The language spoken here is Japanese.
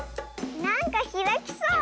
なんかひらきそう。